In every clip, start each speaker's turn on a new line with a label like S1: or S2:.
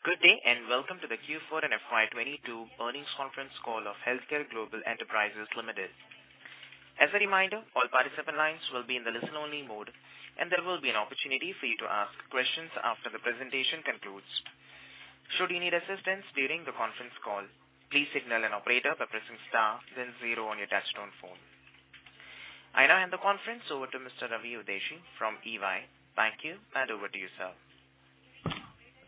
S1: Good day, and welcome to the Q4 and FY 2022 earnings conference call of Healthcare Global Enterprises Limited. As a reminder, all participant lines will be in the listen-only mode, and there will be an opportunity for you to ask questions after the presentation concludes. Should you need assistance during the conference call, please signal an operator by pressing star then zero on your touchtone phone. I now hand the conference over to Mr. Ravi Udeshi from EY. Thank you, and over to you, sir.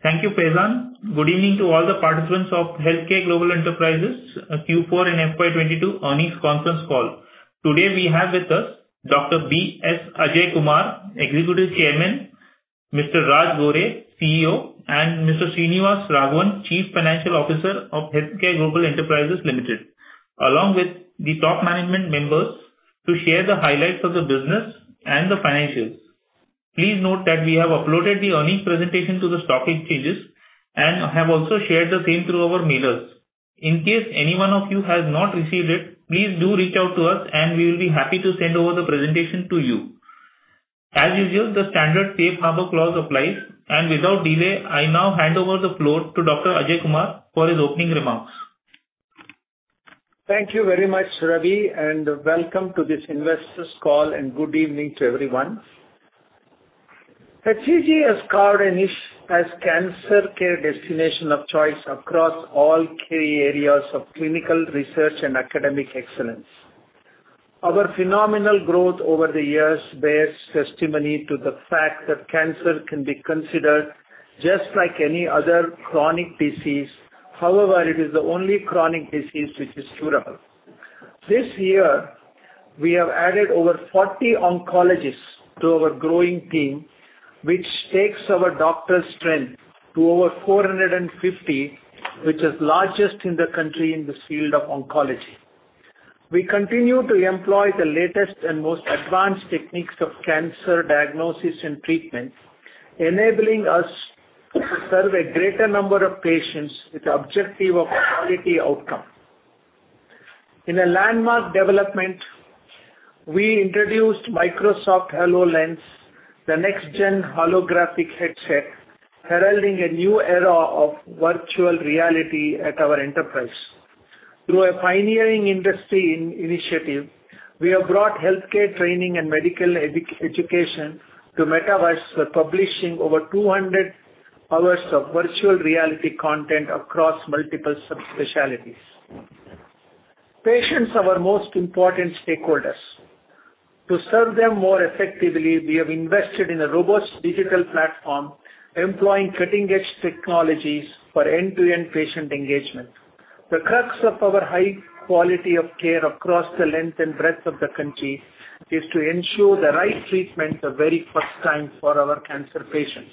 S2: Thank you, Faizan. Good evening to all the participants of Healthcare Global Enterprises Q4 and FY 2022 earnings conference call. Today, we have with us Dr. B.S. Ajaikumar, Executive Chairman, Mr. Raj Gore, CEO, and Mr. Srinivasa Raghavan, Chief Financial Officer of Healthcare Global Enterprises Limited, along with the top management members to share the highlights of the business and the financials. Please note that we have uploaded the earnings presentation to the stock exchanges and have also shared the same through our mailers. In case anyone of you has not received it, please do reach out to us, and we will be happy to send over the presentation to you. As usual, the standard safe harbor clause applies, and without delay, I now hand over the floor to Dr. Ajaikumar for his opening remarks.
S3: Thank you very much, Ravi, and welcome to this investors call, and good evening to everyone. HCG has carved a niche as cancer care destination of choice across all key areas of clinical research and academic excellence. Our phenomenal growth over the years bears testimony to the fact that cancer can be considered just like any other chronic disease. However, it is the only chronic disease which is curable. This year, we have added over 40 oncologists to our growing team, which takes our doctor strength to over 450, which is largest in the country in this field of oncology. We continue to employ the latest and most advanced techniques of cancer diagnosis and treatment, enabling us to serve a greater number of patients with the objective of quality outcome. In a landmark development, we introduced Microsoft HoloLens, the next-gen holographic headset, heralding a new era of virtual reality at our enterprise. Through a pioneering industry initiative, we have brought healthcare training and medical education to metaverse by publishing over 200 hours of virtual reality content across multiple subspecialties. Patients are our most important stakeholders. To serve them more effectively, we have invested in a robust digital platform employing cutting-edge technologies for end-to-end patient engagement. The crux of our high quality of care across the length and breadth of the country is to ensure the right treatment the very first time for our cancer patients.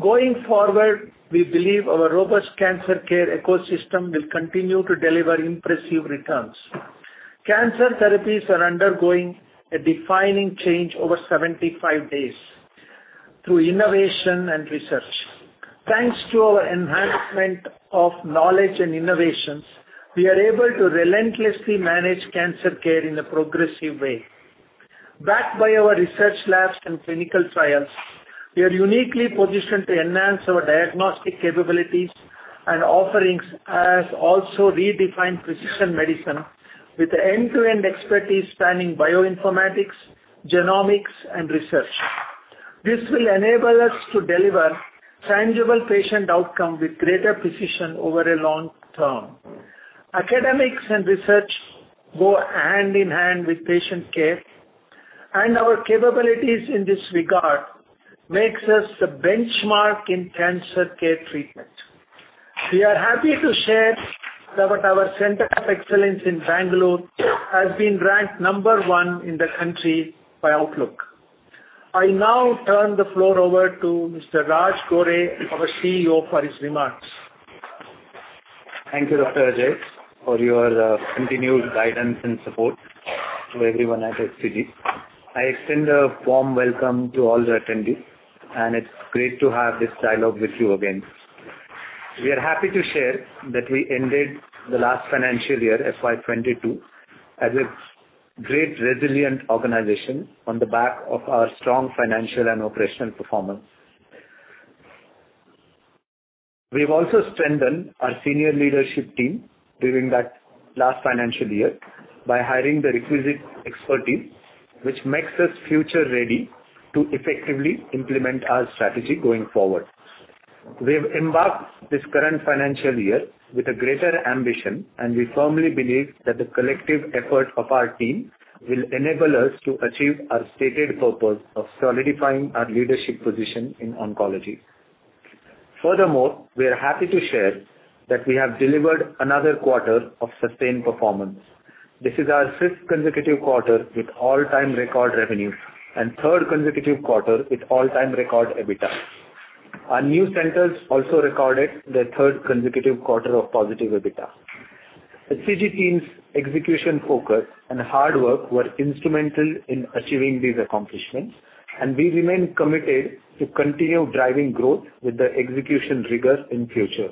S3: Going forward, we believe our robust cancer care ecosystem will continue to deliver impressive returns. Cancer therapies are undergoing a defining change over 75 days through innovation and research. Thanks to our enhancement of knowledge and innovations, we are able to relentlessly manage cancer care in a progressive way. Backed by our research labs and clinical trials, we are uniquely positioned to enhance our diagnostic capabilities and offerings and also redefined precision medicine with the end-to-end expertise spanning bioinformatics, genomics and research. This will enable us to deliver tangible patient outcome with greater precision over a long term. Academics and research go hand in hand with patient care, and our capabilities in this regard makes us a benchmark in cancer care treatment. We are happy to share that our center of excellence in Bangalore has been ranked number one in the country by Outlook. I now turn the floor over to Mr. Raj Gore, our CEO, for his remarks.
S4: Thank you, Dr. B.S. Ajaikumar, for your continued guidance and support to everyone at HCG. I extend a warm welcome to all the attendees, and it's great to have this dialogue with you again. We are happy to share that we ended the last financial year, FY 2022, as a great resilient organization on the back of our strong financial and operational performance. We've also strengthened our senior leadership team during that last financial year by hiring the requisite expertise, which makes us future-ready to effectively implement our strategy going forward. We've embarked this current financial year with a greater ambition, and we firmly believe that the collective effort of our team will enable us to achieve our stated purpose of solidifying our leadership position in oncology. Furthermore, we are happy to share that we have delivered another quarter of sustained performance. This is our fifth consecutive quarter with all-time record revenue and third consecutive quarter with all-time record EBITDA. Our new centers also recorded their third consecutive quarter of positive EBITDA. The HCG team's execution focus and hard work were instrumental in achieving these accomplishments, and we remain committed to continue driving growth with the execution rigor in future.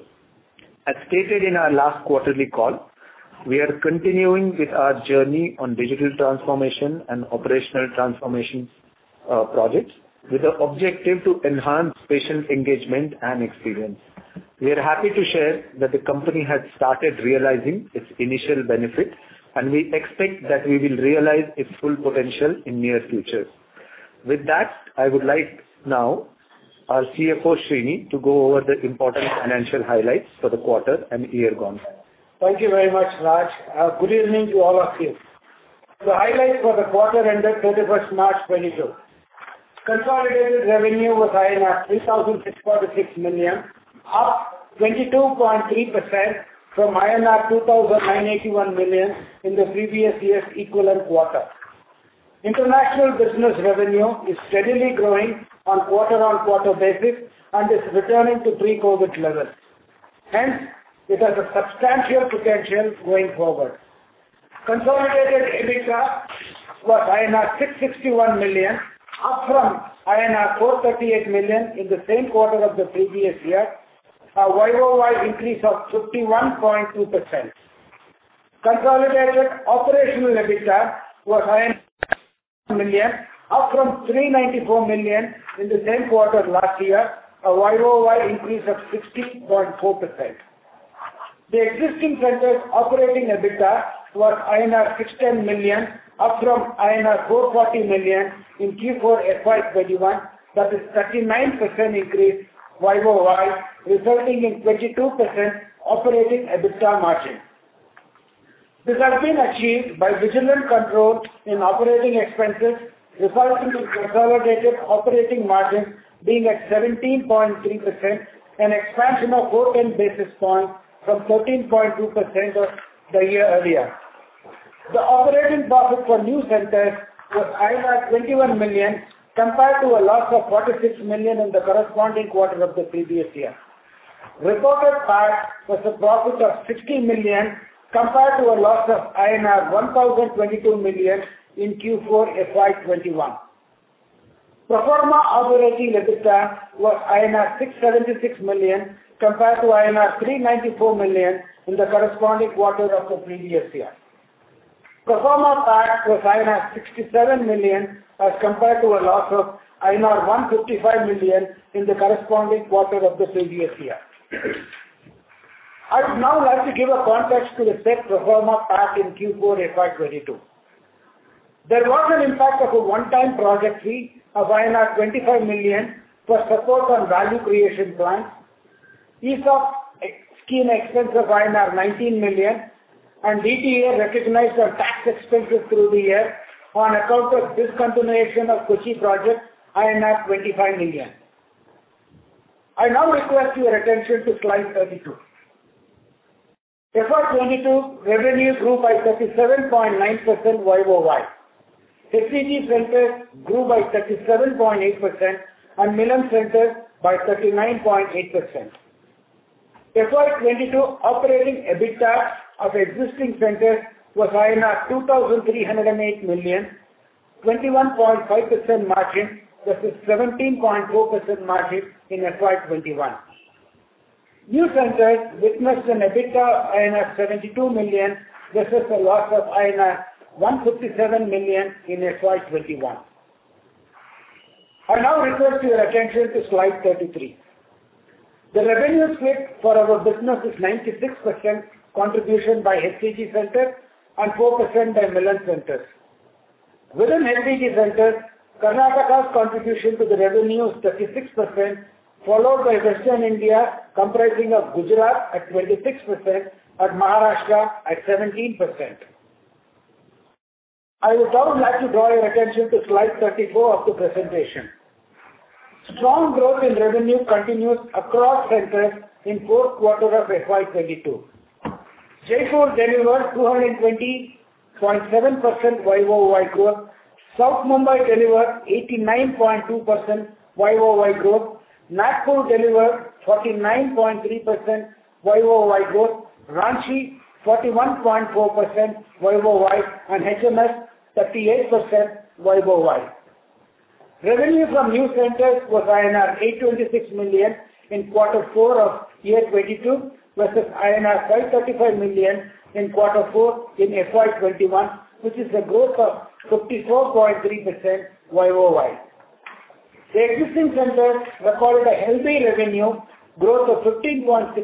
S4: As stated in our last quarterly call, we are continuing with our journey on digital transformation and operational transformations, projects with the objective to enhance patient engagement and experience. We are happy to share that the company has started realizing its initial benefit, and we expect that we will realize its full potential in near future. With that, I would like now our CFO, Srini, to go over the important financial highlights for the quarter and year gone by.
S5: Thank you very much, Raj. Good evening to all of you. The highlight for the quarter ended thirty-first March 2022. Consolidated revenue was 3,646 million, up 22.8% from INR 2,981 million in the previous year's equivalent quarter. International business revenue is steadily growing on quarter-on-quarter basis and is returning to pre-COVID levels. Hence, it has a substantial potential going forward. Consolidated EBITDA was INR 661 million, up from INR 438 million in the same quarter of the previous year, a YOY increase of 51.2%. Consolidated operational EBITDA was million, up from 394 million in the same quarter last year, a YOY increase of 16.4%. The existing centers operating EBITDA was INR 610 million, up from INR 440 million in Q4 FY 2021. That is 39% increase YOY, resulting in 22% operating EBITDA margin. This has been achieved by vigilant control in operating expenses, resulting in consolidated operating margin being at 17.3%, an expansion of 410 basis points from 13.2% of the year earlier. The operating profit for new centers was 21 million, compared to a loss of 46 million in the corresponding quarter of the previous year. Reported PAT was a profit of 60 million, compared to a loss of INR 1,022 million in Q4 FY 2021. Pro forma operating EBITDA was INR 676 million, compared to INR 394 million in the corresponding quarter of the previous year. Pro forma PAT was INR 67 million as compared to a loss of INR 155 million in the corresponding quarter of the previous year. I would now like to give a context to the said pro forma PAT in Q4 FY 2022. There was an impact of a one-time project fee of 25 million for support on value creation plans, ESOP expense of 19 million, and DTA recognized on tax expenses through the year on account of discontinuation of Kochi project 25 million. I now request your attention to slide 32. FY 2022 revenues grew by 37.9% YOY. HCG centers grew by 37.8% and Milann centers by 39.8%. FY 2022 operating EBITDA of existing centers was 2,308 million, 21.5% margin versus 17.4% margin in FY 2021. New centers witnessed an EBITDA 72 million versus a loss of 157 million in FY 2021. I now request your attention to slide 33. The revenue split for our business is 96% contribution by HCG centers and 4% by Milann centers. Within HCG centers, Karnataka's contribution to the revenue is 36%, followed by Western India, comprising of Gujarat at 26% and Maharashtra at 17%. I would now like to draw your attention to slide 34 of the presentation. Strong growth in revenue continues across centers in fourth quarter of FY 2022. Jaipur delivered 220.7% YOY growth. South Mumbai delivered 89.2% YOY growth. Nagpur delivered 49.3% YOY growth. Ranchi, 41.4% YOY, and HMS, 38% YOY. Revenue from new centers was INR 826 million in quarter four of year 2022 versus INR 535 million in quarter four in FY 2021, which is a growth of 54.3% YOY. Existing centers recorded a healthy revenue growth of 15.6%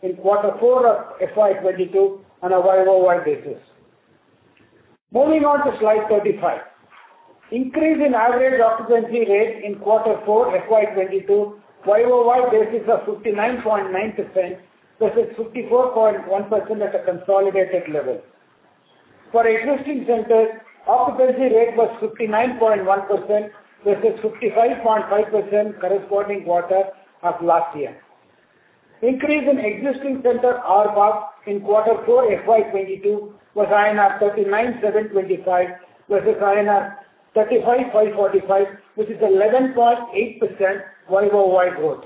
S5: in quarter four of FY 2022 on a YOY basis. Moving on to slide 35. Increase in average occupancy rate in quarter four FY 2022 YOY basis of 59.9% versus 54.1% at a consolidated level. For existing centers, occupancy rate was 59.1% versus 55.5% corresponding quarter of last year. Increase in existing center ARPOB in quarter four FY 2022 was INR 39,725 versus INR 35,545, which is 11.8% YOY growth.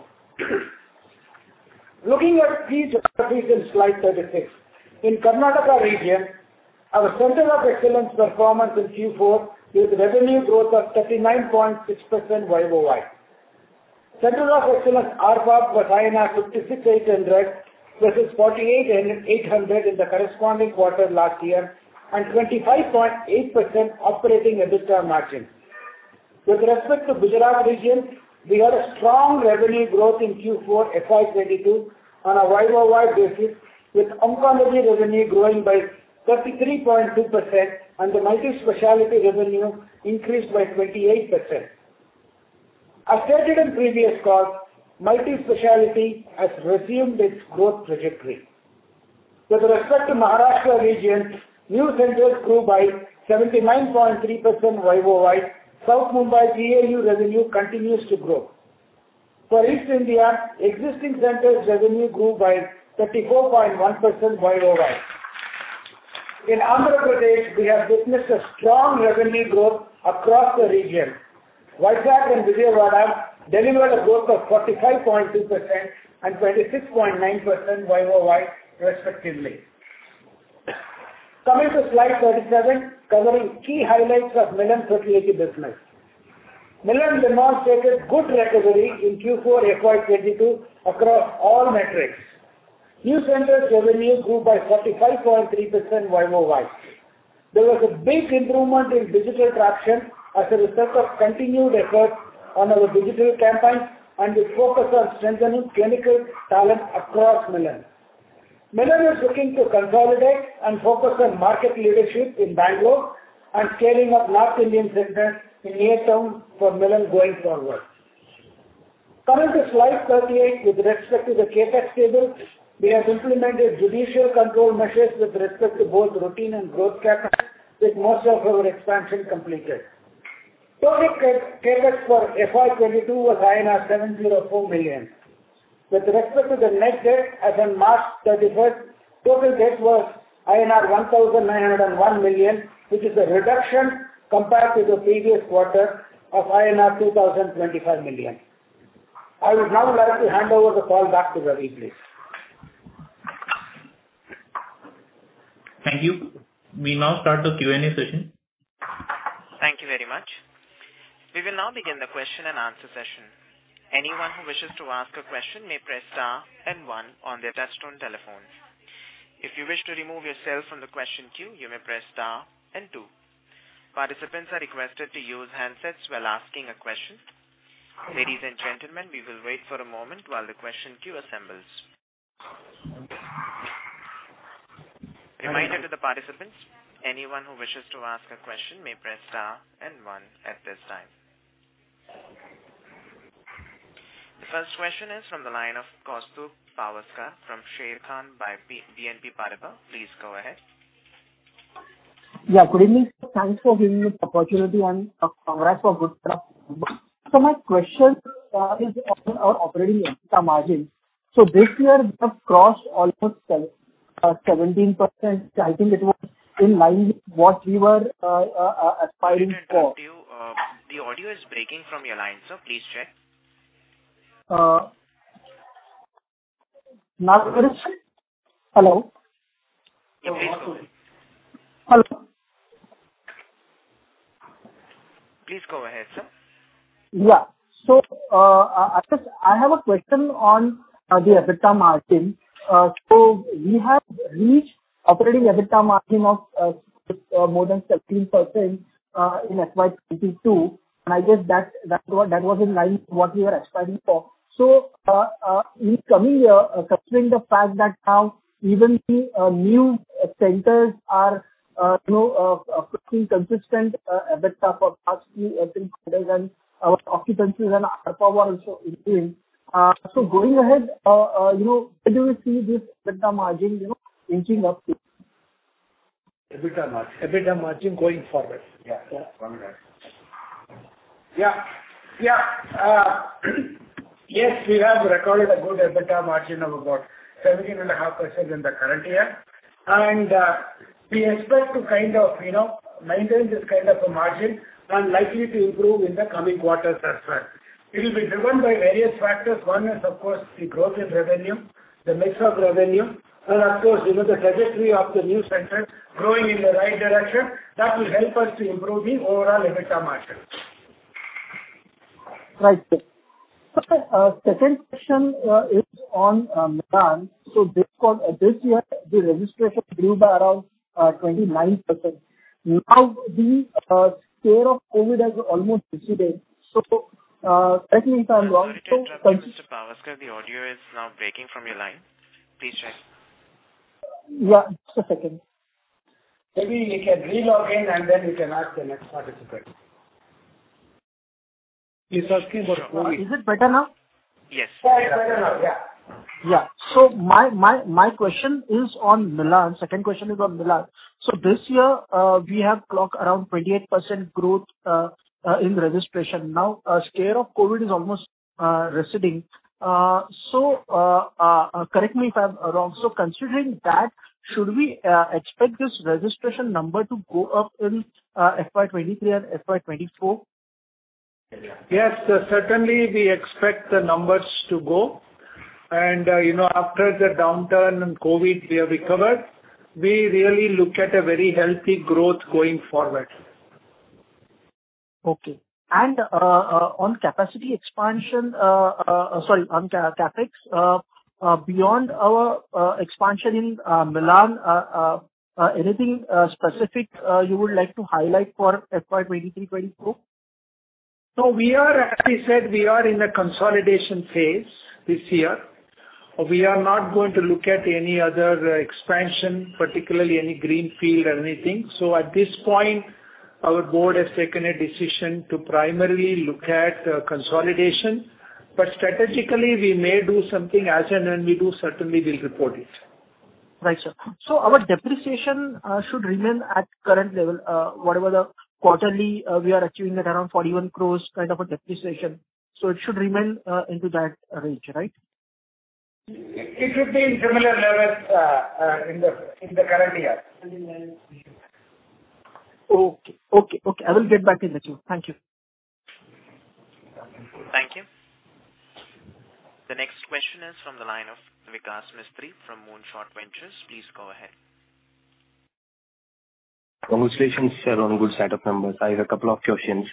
S5: Looking at key geographies in slide 36. In Karnataka region. Our Center of Excellence performance in Q4 with revenue growth of 39.6% YOY. Center of Excellence ARPA was 5,600 versus 4,800 in the corresponding quarter last year and 25.8% operating EBITDA margin. With respect to Gujarat region, we had a strong revenue growth in Q4 FY 2022 on a YOY basis, with oncology revenue growing by 33.2% and the multi-specialty revenue increased by 28%. As stated in previous calls, multi-specialty has resumed its growth trajectory. With respect to Maharashtra region, new centers grew by 79.3% YOY. South Mumbai DAU revenue continues to grow. For East India, existing centers revenue grew by 34.1% YOY. In Andhra Pradesh, we have witnessed a strong revenue growth across the region. Vizag and Vijayawada delivered a growth of 45.2% and 26.9% YOY respectively. Coming to slide 37, covering key highlights of Milann's business. Milann demonstrated good recovery in Q4 FY 2022 across all metrics. New centers revenue grew by 45.3% YOY. There was a big improvement in digital traction as a result of continued efforts on our digital campaigns and the focus on strengthening clinical talent across Milann. Milann is looking to consolidate and focus on market leadership in Bangalore and scaling up North Indian centers in near term for Milann going forward. Coming to slide 38 with respect to the CapEx table, we have implemented judicious control measures with respect to both routine and growth CapEx, with most of our expansion completed. Total CapEx for FY 2022 was 704 million. With respect to the net debt as on March thirty-first, total debt was INR 1,901 million, which is a reduction compared to the previous quarter of INR 2,025 million. I would now like to hand over the call back to Ravi, please.
S2: Thank you. We now start the Q&A session.
S1: Thank you very much. We will now begin the question and answer session. Anyone who wishes to ask a question may press star and one on their desktop telephones. If you wish to remove yourself from the question queue, you may press star and two. Participants are requested to use handsets while asking a question. Ladies and gentlemen, we will wait for a moment while the question queue assembles. Reminder to the participants, anyone who wishes to ask a question may press star and one at this time. The first question is from the line of Kaustubh Pawaskar from Sharekhan by BNP Paribas. Please go ahead.
S6: Yeah, good evening. Thanks for giving me this opportunity and congrats for good stuff. My question is on our operating EBITDA margin. This year we have crossed almost 17%. I think it was in line with what we were aspiring for.
S1: The audio is breaking from your line, sir. Please check.
S6: Now it is. Hello?
S1: Please go ahead, sir.
S6: I have a question on the EBITDA margin. We have reached operating EBITDA margin of more than 13% in FY 2022, and I guess that was in line what we are aspiring for. In coming year, considering the fact that now even the new centers are, you know, putting consistent EBITDA for past few FY quarters and our occupancies and ARPA were also increasing. Going ahead, you know, where do you see this EBITDA margin, you know, inching up to?
S5: EBITDA margin.
S6: EBITDA margin going forward.
S5: Yeah.
S6: Yeah.
S5: Got it. Yeah. Yeah. Yes, we have recorded a good EBITDA margin of about 17.5% in the current year. We expect to kind of, you know, maintain this kind of a margin and likely to improve in the coming quarters as well. It will be driven by various factors. One is, of course, the growth in revenue, the mix of revenue, and of course, you know, the trajectory of the new centers growing in the right direction. That will help us to improve the overall EBITDA margin.
S6: Right. Sir, second question is on Milann. This year, the registration grew by around 29%. Now, the scare of COVID has almost receded. Correct me if I'm wrong.
S1: Mr. Pawaskar, the audio is now breaking from your line. Please check.
S6: Yeah. Just a second.
S5: Maybe you can re-login, and then we can ask the next participant.
S2: He's asking for COVID.
S6: Is it better now?
S1: Yes.
S5: Better now. Yeah.
S6: Yeah. My question is on Milann. Second question is on Milann. This year, we have clocked around 28% growth in registration. Now, scare of COVID is almost receding. Correct me if I'm wrong. Considering that, should we expect this registration number to go up in FY 2023 and FY 2024?
S4: Yes, certainly we expect the numbers to go. You know, after the downturn in COVID, we have recovered. We really look at a very healthy growth going forward.
S6: Okay. Sorry, on CapEx, beyond our expansion in Milann, anything specific you would like to highlight for FY 2023-2024?
S4: We are, as I said, in a consolidation phase this year. We are not going to look at any other expansion, particularly any greenfield or anything. At this point, our board has taken a decision to primarily look at consolidation. Strategically, we may do something. As and when we do, certainly we'll report it.
S6: Right, sir. Our depreciation should remain at current level, whatever the quarterly we are achieving at around 41 crore kind of a depreciation. It should remain into that range, right?
S4: It should be in similar levels, in the current year.
S6: Okay. I will get back with you. Thank you.
S1: Thank you. The next question is from the line of Vikas Mistry from Moonshot Ventures. Please go ahead.
S7: Congratulations, sir, on good set of numbers. I have a couple of questions,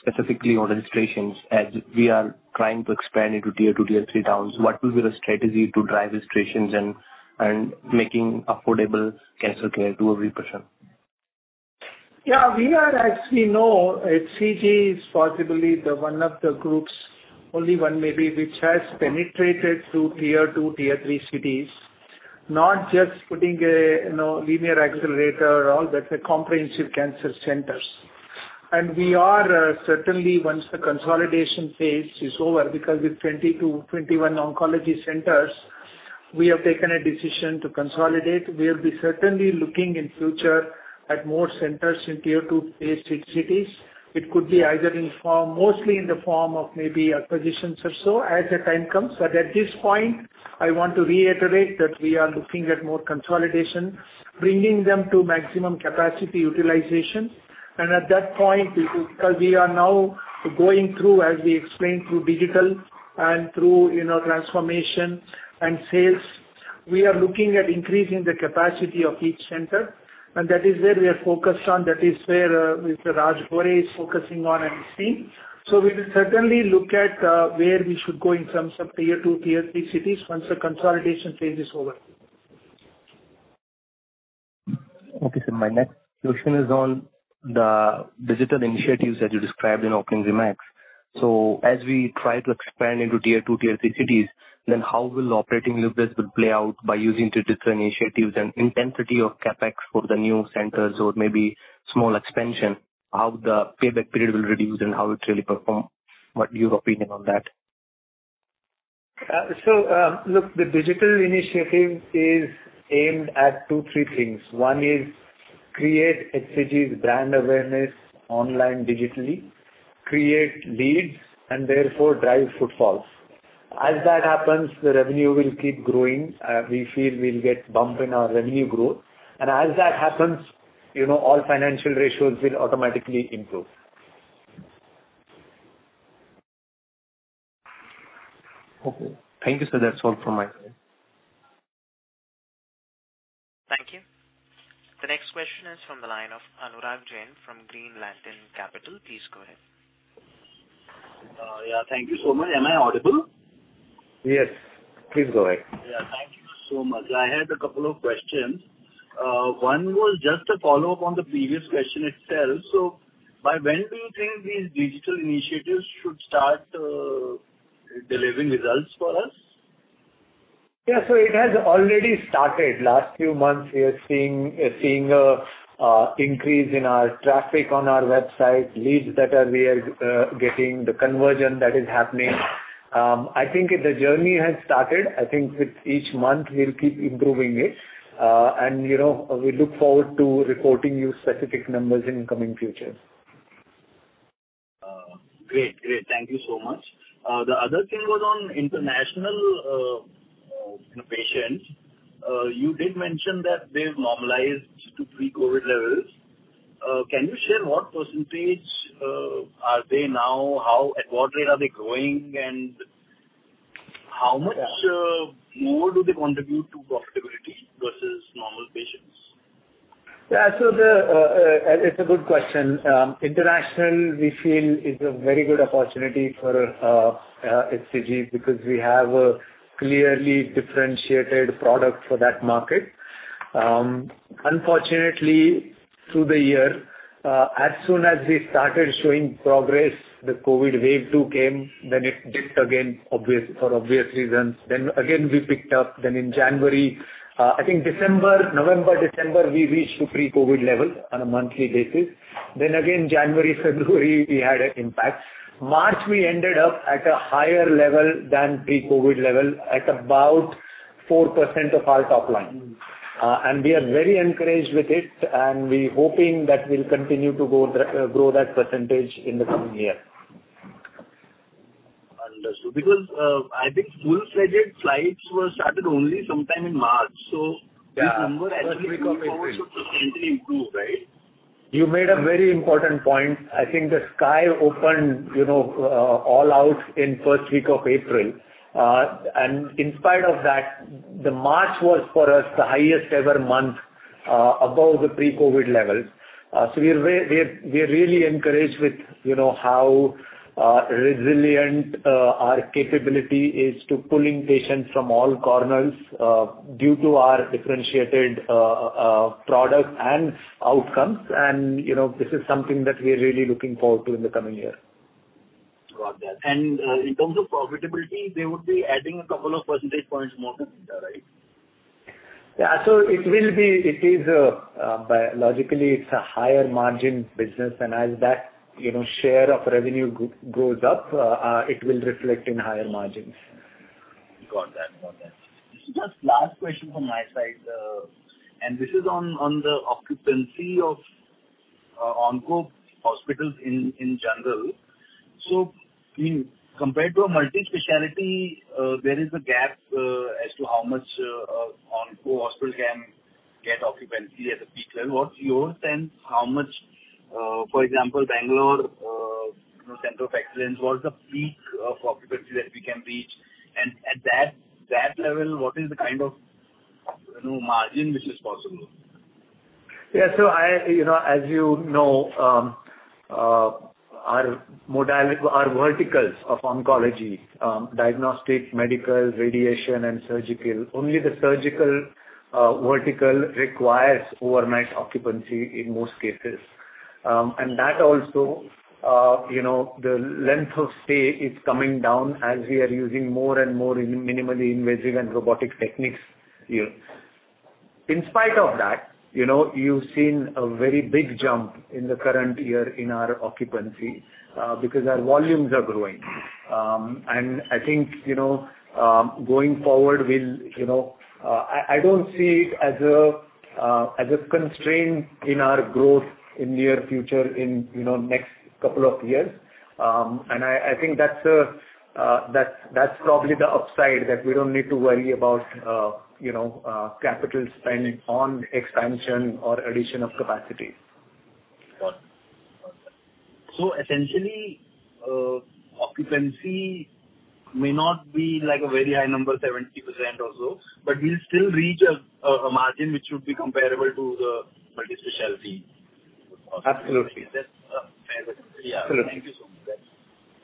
S7: specifically on registrations. As we are trying to expand into tier two, tier three towns, what will be the strategy to drive registrations and making affordable cancer care to every person?
S4: Yeah, we are, as we know, HCG is possibly the one of the groups, only one maybe, which has penetrated through tier two, tier three cities, not just putting a, you know, linear accelerator or all that, a comprehensive cancer centers. We are certainly once the consolidation phase is over, because with 20-21 oncology centers, we have taken a decision to consolidate. We'll be certainly looking in future at more centers in tier two, tier three cities. It could be either in form, mostly in the form of maybe acquisitions or so as the time comes. At this point, I want to reiterate that we are looking at more consolidation, bringing them to maximum capacity utilization. At that point, because we are now going through, as we explained, through digital and through, you know, transformation and sales, we are looking at increasing the capacity of each center, and that is where we are focused on. That is where Mr. Raj Gore is focusing on and his team. We will certainly look at where we should go in terms of tier two, tier three cities once the consolidation phase is over.
S7: Okay, sir. My next question is on the digital initiatives that you described in opening remarks. As we try to expand into tier two, tier three cities, then how will operating levers would play out by using digital initiatives and intensity of CapEx for the new centers or maybe small expansion? How the payback period will reduce and how it will really perform? What your opinion on that?
S4: Look, the digital initiative is aimed at 2, 3 things. One is create HCG's brand awareness online digitally, create leads, and therefore drive footfalls. As that happens, the revenue will keep growing. We feel we'll get bump in our revenue growth. As that happens, you know, all financial ratios will automatically improve.
S7: Okay. Thank you, sir. That's all from my side.
S1: Thank you. The next question is from the line of Anurag Jain from Green Lantern Capital. Please go ahead.
S8: Yeah, thank you so much. Am I audible?
S4: Yes, please go ahead.
S8: Yeah. Thank you so much. I had a couple of questions. One was just a follow-up on the previous question itself. By when do you think these digital initiatives should start delivering results for us?
S4: Yeah. It has already started. Last few months, we are seeing an increase in our traffic on our website, leads we are getting, the conversion that is happening. I think the journey has started. I think with each month we'll keep improving it. You know, we look forward to reporting to you specific numbers in coming future.
S8: Great. Thank you so much. The other thing was on international, you know, patients. You did mention that they've normalized to pre-COVID levels. Can you share what percentage are they now? At what rate are they growing, and how much-
S4: Yeah.
S8: More do they contribute to profitability versus normal patients?
S4: It's a good question. International we feel is a very good opportunity for HCG because we have a clearly differentiated product for that market. Unfortunately, through the year, as soon as we started showing progress, the COVID wave two came, then it dipped again for obvious reasons. Then again we picked up. Then in January, I think November, December, we reached to pre-COVID levels on a monthly basis. Then again, January, February we had an impact. March, we ended up at a higher level than pre-COVID level at about 4% of our top line. We are very encouraged with it, and we're hoping that we'll continue to go that, grow that percentage in the coming year.
S8: Understood. Because, I think full-fledged flights were started only sometime in March.
S4: Yeah.
S8: This number actually going forward should potentially improve, right?
S4: You made a very important point. I think the sky opened, you know, all out in first week of April. In spite of that, the March was, for us, the highest ever month, above the pre-COVID levels. We are really encouraged with, you know, how resilient our capability is to pulling patients from all corners, due to our differentiated product and outcomes. This is something that we are really looking forward to in the coming year.
S8: Got that. In terms of profitability, they would be adding a couple of percentage points more to EBITDA, right?
S4: Yeah. It is biologically a higher margin business, and as that, you know, share of revenue goes up, it will reflect in higher margins.
S8: Got that. Just last question from my side, and this is on the occupancy of onco hospitals in general. In compared to a multi-specialty, there is a gap as to how much onco hospital can get occupancy at the peak level. What's your sense how much, for example, Bangalore, you know, center of excellence, what's the peak of occupancy that we can reach? At that level, what is the kind of, you know, margin which is possible?
S4: Yeah. I, you know, as you know, our verticals of oncology, diagnostic, medical, radiation, and surgical, only the surgical vertical requires overnight occupancy in most cases. That also, you know, the length of stay is coming down as we are using more and more in minimally invasive and robotic techniques here. In spite of that, you know, you've seen a very big jump in the current year in our occupancy because our volumes are growing. I think, you know, going forward we'll, you know, I don't see it as a constraint in our growth in near future in, you know, next couple of years. I think that's probably the upside that we don't need to worry about, you know, capital spending on expansion or addition of capacity.
S8: Got it. Essentially, occupancy may not be like a very high number, 70% or so, but we'll still reach a margin which would be comparable to the multi-specialty.
S4: Absolutely.
S8: Is that fair to say?
S4: Absolutely.
S8: Yeah. Thank you so much.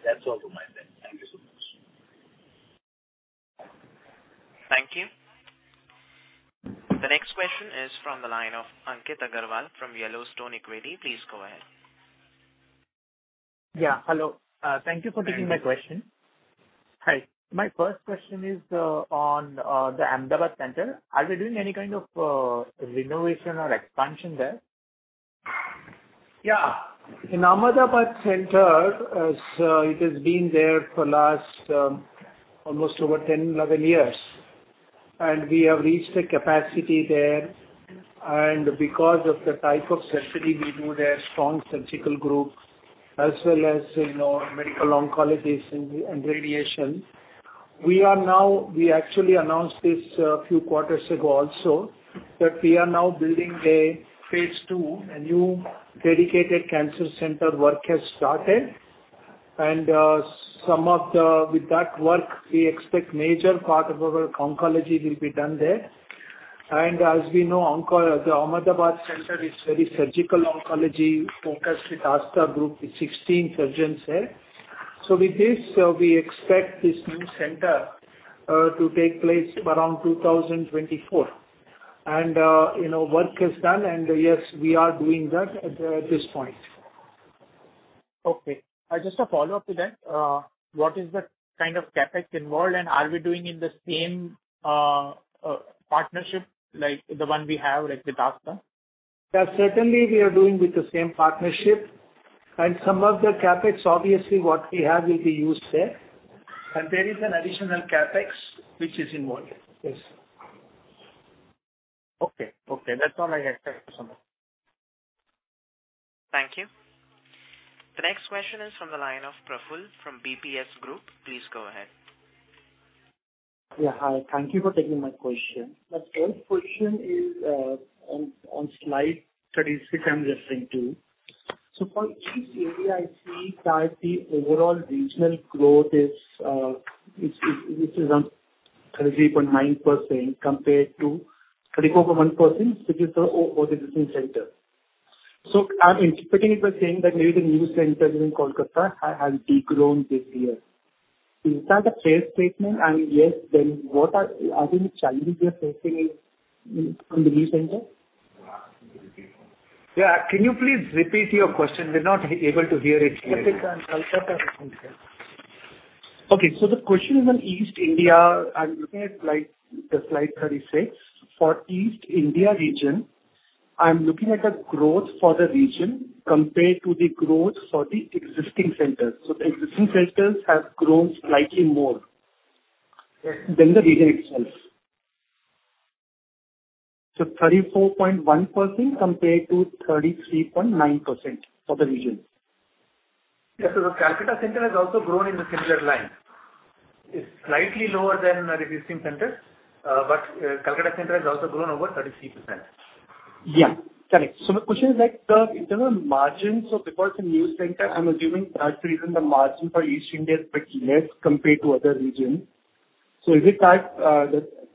S8: That's all from my side. Thank you so much.
S1: Thank you. The next question is from the line of Ankit Agrawal from Yellowstone Equity. Please go ahead.
S9: Yeah. Hello. Thank you for taking my question.
S4: Yeah.
S9: Hi. My first question is on the Ahmedabad center. Are you doing any kind of renovation or expansion there?
S4: Yeah. In Ahmedabad center, it has been there for last almost over 10, 11 years, and we have reached a capacity there. Because of the type of specialty we do there, strong surgical groups as well as, you know, medical oncologists and radiation. We are now. We actually announced this a few quarters ago also, that we are now building a phase two. A new dedicated cancer center work has started. With that work, we expect major part of our oncology will be done there. As we know, the Ahmedabad center is very surgical oncology-focused with Aastha Group with 16 surgeons there. With this, we expect this new center to take place around 2024. You know, work is done and yes, we are doing that at this point.
S9: Okay. Just a follow-up to that. What is the kind of CapEx involved and are we doing in the same partnership like the one we have like with Aastha?
S4: Yeah. Certainly, we are doing with the same partnership. Some of the CapEx, obviously what we have will be used there. There is an additional CapEx which is involved. Yes.
S9: Okay. Okay. That's all I had for you. Thank you so much.
S1: Thank you. The next question is from the line of Praful from BPS Group. Please go ahead.
S10: Hi. Thank you for taking my question. My first question is on slide 36 I'm referring to. For East India I see that the overall regional growth is around 30.9% compared to 30.1%, which is overall the existing centers. I'm interpreting it by saying that maybe the new center in Kolkata has de-grown this year. Is that a fair statement? And if yes, then what are the challenges you are facing in the new center?
S4: Yeah. Can you please repeat your question? We're not able to hear it clearly.
S8: The question is on East India. I'm looking at slide 36. For East India region, I'm looking at the growth for the region compared to the growth for the existing centers. The existing centers have grown slightly more.
S4: Yes.
S8: than the region itself.
S10: 34.1% compared to 33.9% for the region.
S4: The Kolkata center has also grown in the similar line. It's slightly lower than our existing centers, but Kolkata center has also grown over 33%.
S10: Yeah. Correct. My question is, like, the initial margins because the new center, I'm assuming that's the reason the margin for East India is a bit less compared to other regions. Is it that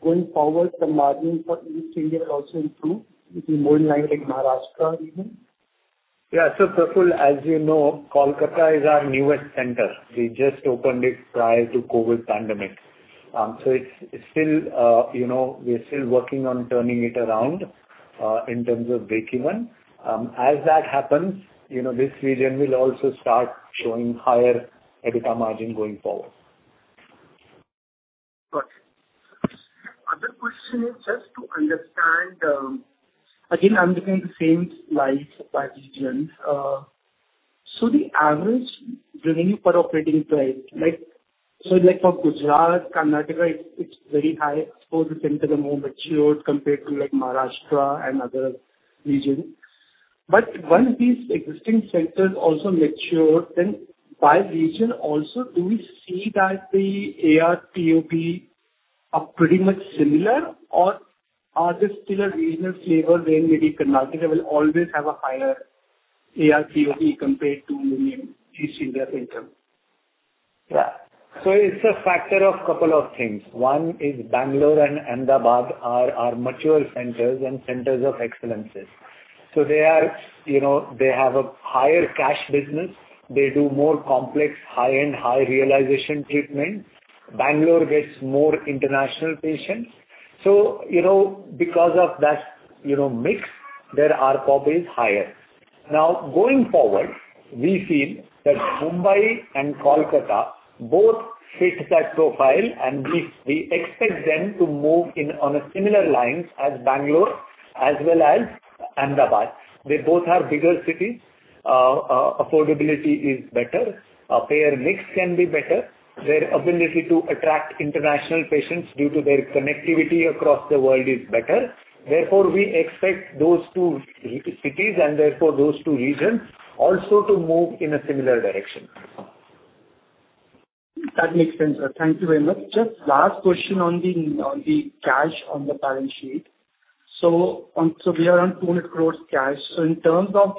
S10: going forward the margins for East India will also improve to more like Maharashtra region?
S4: Yeah, Praful, as you know, Kolkata is our newest center. We just opened it prior to COVID pandemic. It's still, you know, we are still working on turning it around in terms of breakeven. As that happens, you know, this region will also start showing higher EBITDA margin going forward.
S10: Got it. Other question is just to understand, again, I'm looking at the same slide by region. So the average revenue per occupied bed, like, for Gujarat, Karnataka, it's very high for the more mature centers compared to like Maharashtra and other regions. Once these existing centers also mature, then by region also, do we see that the ARPOP are pretty much similar or are there still a regional flavor where maybe Karnataka will always have a higher ARPOP compared to maybe East India center?
S4: Yeah. It's a factor of couple of things. One is Bangalore and Ahmedabad are our mature centers and centers of excellence. So they are, you know, they have a higher cash business. They do more complex, high-end, high realization treatment. Bangalore gets more international patients. So, you know, because of that, you know, mix, their ARPOP is higher. Now, going forward, we feel that Mumbai and Kolkata both fit that profile, and we expect them to move along similar lines as Bangalore as well as Ahmedabad. They both are bigger cities. Affordability is better. Payer mix can be better. Their ability to attract international patients due to their connectivity across the world is better. Therefore, we expect those two cities and therefore those two regions also to move in a similar direction.
S10: That makes sense, sir. Thank you very much. Just last question on the cash on the balance sheet. We are on 200 crores cash. In terms of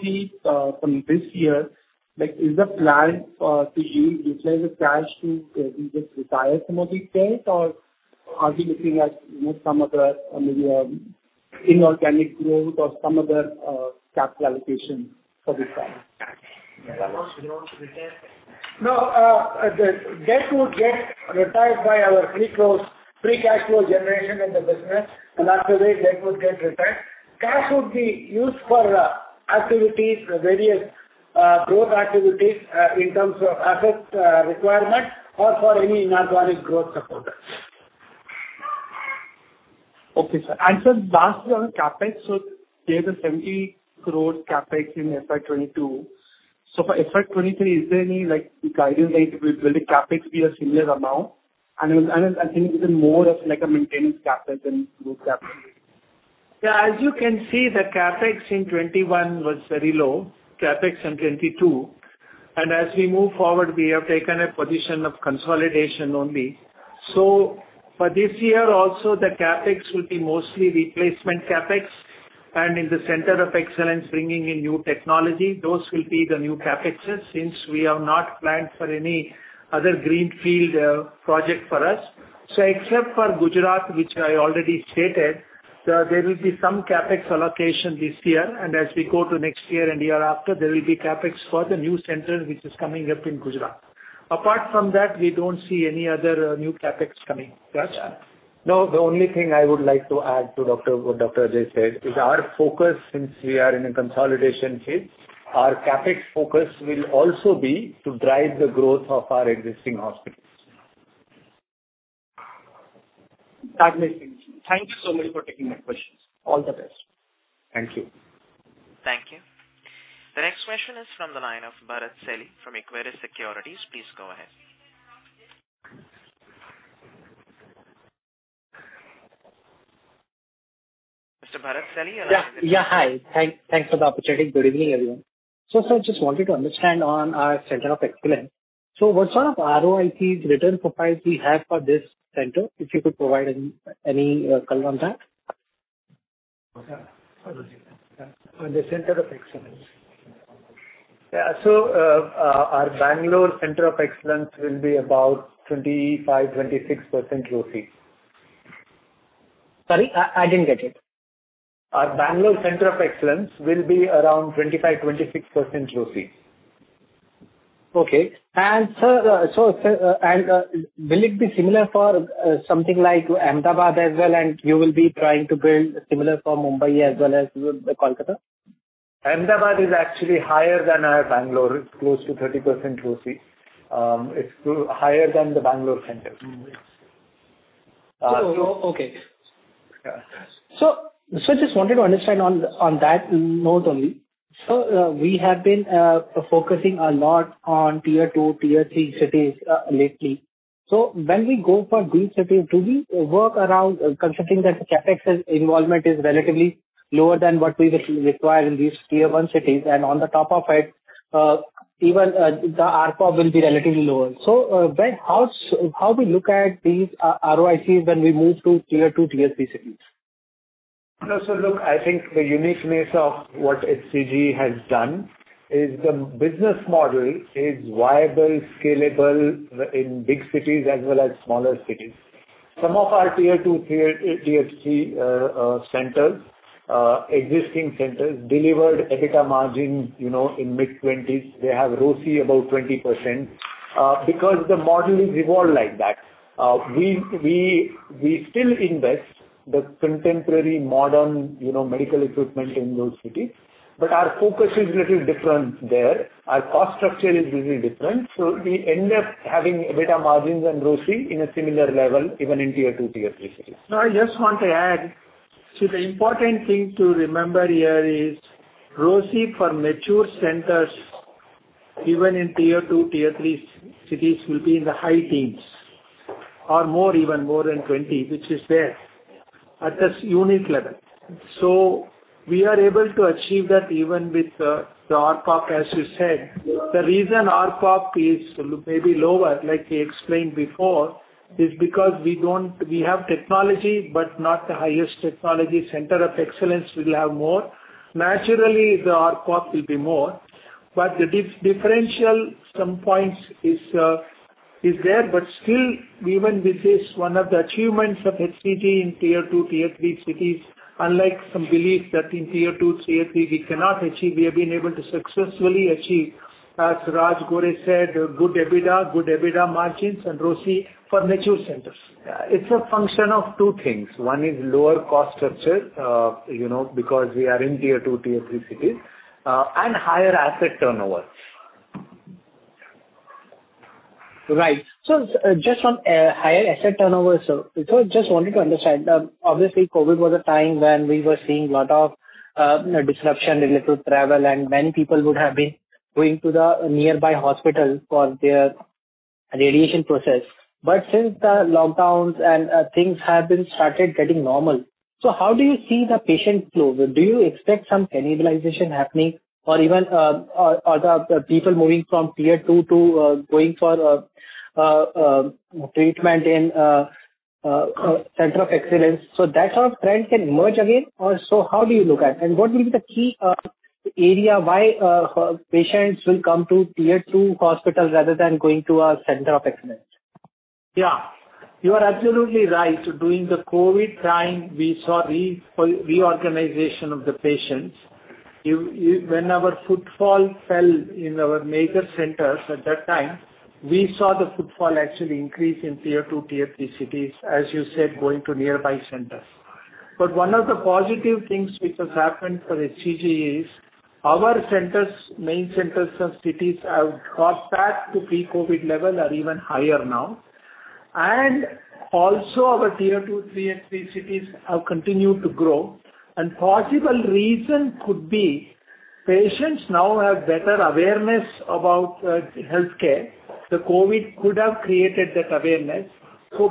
S10: from this year, like is the plan to utilize the cash to either retire some of the debt or are we looking at, you know, some other maybe inorganic growth or some other capital allocation for this time? The loans we want to retain.
S5: No. The debt would get retired by our free cash flow generation in the business, and after that debt would get retired. Cash would be used for various growth activities in terms of asset requirements or for any inorganic growth opportunities.
S10: Okay, sir. Sir, lastly on the CapEx. There's 70 crore CapEx in FY 2022. For FY 2023, is there any, like, guidance, like will the CapEx be a similar amount? I think even more of like a maintenance CapEx than growth CapEx.
S5: Yeah. As you can see, the CapEx in 2021 was very low. CapEx in 2022, and as we move forward, we have taken a position of consolidation only. For this year also, the CapEx will be mostly replacement CapEx and in the center of excellence bringing in new technology. Those will be the new CapExes, since we have not planned for any other greenfield project for us. Except for Gujarat, which I already stated, there will be some CapEx allocation this year. As we go to next year and year after, there will be CapEx for the new center which is coming up in Gujarat. Apart from that, we don't see any other new CapEx coming. Prash?
S3: No. The only thing I would like to add to what Dr. Ajay said is our focus since we are in a consolidation phase. Our CapEx focus will also be to drive the growth of our existing hospitals.
S11: That makes sense. Thank you so much for taking my questions. All the best.
S4: Thank you.
S1: Thank you. The next question is from the line of Bharat Celly from Equirus Securities. Please go ahead. Mr. Bharat Celly.
S12: Yeah. Yeah, hi. Thanks for the opportunity. Good evening, everyone. Sir, just wanted to understand on our center of excellence. What sort of ROI return profiles we have for this center, if you could provide any color on that. On the center of excellence.
S4: Yeah, our Bangalore center of excellence will be about 25%-26% ROCE.
S12: Sorry, I didn't get it.
S4: Our Bangalore center of excellence will be around 25-26% ROCE.
S12: Okay. Sir, will it be similar for something like Ahmedabad as well, and you will be trying to build similar for Mumbai as well as Kolkata?
S4: Ahmedabad is actually higher than our Bangalore. It's close to 30% ROCE. It's higher than the Bangalore center.
S12: Mm-hmm.
S4: Uh-
S12: Okay.
S4: Yeah.
S12: Just wanted to understand on that note only. We have been focusing a lot on tier two, tier three cities lately. When we go for these cities, do we work around considering that the CapEx's involvement is relatively lower than what we require in these tier one cities, and on the top of it, even the ARPO will be relatively lower. Venk, how we look at these ROICs when we move to tier two, tier three cities?
S4: No. Look, I think the uniqueness of what HCG has done is the business model is viable, scalable in big cities as well as smaller cities. Some of our tier two, tier three existing centers delivered EBITDA margin in mid-20s%. They have ROIC about 20%, because the model is evolved like that. We still invest the contemporary modern medical equipment in those cities, but our focus is little different there. Our cost structure is little different, so we end up having EBITDA margins and ROIC in a similar level, even in tier two, tier three cities.
S5: No, I just want to add. See, the important thing to remember here is ROIC for mature centers, even in tier two, tier three cities, will be in the high teens or more, even more than 20, which is there at this unit level. We are able to achieve that even with the ARPO, as you said. The reason ARPO is maybe lower, like we explained before, is because we have technology but not the highest technology. Center of excellence will have more. Naturally, the ARPO will be more. The differential, some points is there, but still even with this, one of the achievements of HCG in tier two, tier three cities, unlike some belief that in tier two, tier three we cannot achieve, we have been able to successfully achieve, as Raj Gore said, good EBITDA, good EBITDA margins and ROIC for mature centers.
S4: Yeah. It's a function of two things. One is lower cost structure, you know, because we are in tier two, tier three cities, and higher asset turnover.
S12: Right. Just on higher asset turnover, sir. Just wanted to understand. Obviously COVID was a time when we were seeing a lot of, you know, disruption related to travel, and many people would have been going to the nearby hospital for their radiation process. Since the lockdowns and things have been started getting normal, how do you see the patient flow? Do you expect some cannibalization happening or even the people moving from tier two to going for treatment in center of excellence, so that sort of trend can emerge again or so how do you look at it? And what will be the key area why patients will come to tier two hospitals rather than going to a center of excellence?
S5: Yeah, you are absolutely right. During the COVID time, we saw reorganization of the patients. When our footfall fell in our major centers at that time, we saw the footfall actually increase in tier two, tier three cities, as you said, going to nearby centers. But one of the positive things which has happened for HCG is our centers, main centers and cities have got back to pre-COVID level or even higher now. And also our tier two, tier three cities have continued to grow and possible reason could be patients now have better awareness about healthcare. The COVID could have created that awareness.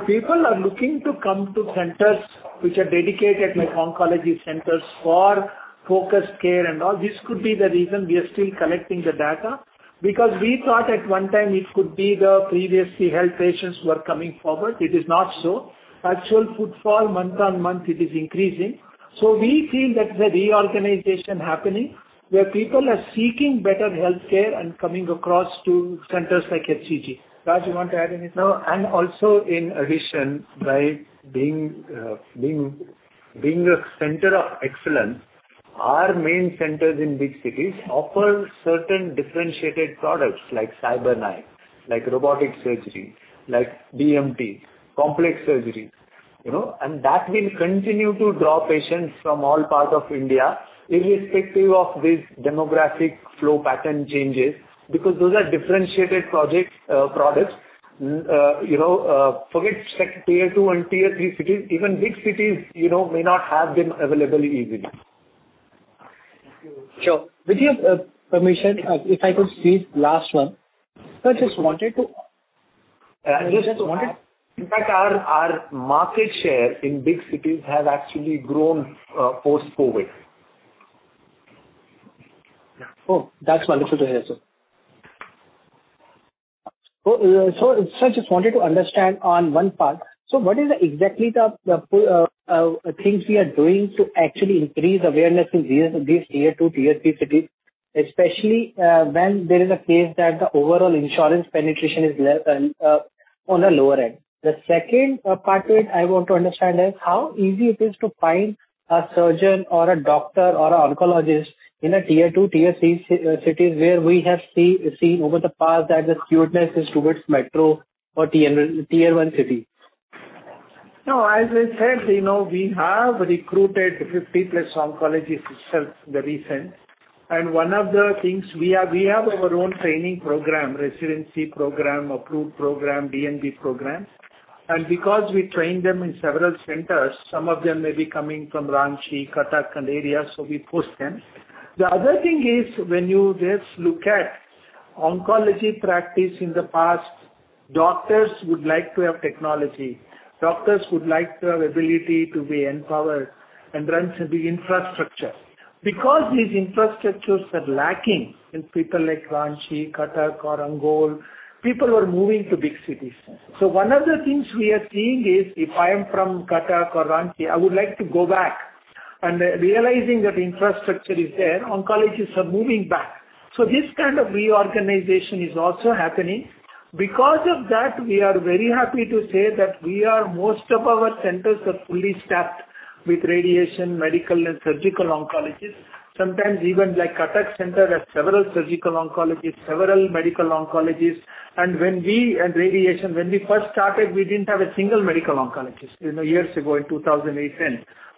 S5: People are looking to come to centers which are dedicated, like oncology centers for focused care and all. This could be the reason we are still collecting the data because we thought at one time it could be the previously held patients who are coming forward. It is not so. Actual footfall month-on-month it is increasing. We feel that the reorganization happening, where people are seeking better healthcare and coming across to centers like HCG. Raj, you want to add anything?
S4: No. By being a center of excellence, our main centers in big cities offer certain differentiated products like CyberKnife, like robotic surgery, like BMT, complex surgeries, you know, and that will continue to draw patients from all parts of India irrespective of these demographic flow pattern changes, because those are differentiated products. You know, forget like tier two and tier three cities, even big cities, you know, may not have them available easily.
S12: Sure. With your permission, if I could squeeze last one. Sir, just wanted to.
S3: In fact our market share in big cities has actually grown post-COVID.
S12: Oh, that's wonderful to hear, sir. Sir, just wanted to understand on one part. What is exactly the things we are doing to actually increase awareness in these tier two, tier three cities, especially, when there is a case that the overall insurance penetration is on a lower end. The second part which I want to understand is how easy it is to find a surgeon or a doctor or an oncologist in a tier two, tier three cities where we have seen over the past that the skewness is towards metro or tier one city.
S5: No, as I said, you know, we have recruited 50-plus oncologists itself in the recent. One of the things we have. We have our own training program, residency program, approved program, DNB programs. Because we train them in several centers, some of them may be coming from Ranchi, Cuttack, and areas, so we post them. The other thing is, when you just look at oncology practice in the past, doctors would like to have technology. Doctors would like to have ability to be empowered and run the infrastructure. Because these infrastructures are lacking in people like Ranchi, Cuttack or Angul, people are moving to big cities. One of the things we are seeing is if I am from Cuttack or Ranchi, I would like to go back, and realizing that infrastructure is there, oncologists are moving back. This kind of reorganization is also happening. Because of that, we are very happy to say that most of our centers are fully staffed with radiation, medical, and surgical oncologists. Sometimes even like Cuttack Center has several surgical oncologists, several medical oncologists and radiation. When we first started, we didn't have a single medical oncologist, you know, years ago in 2008,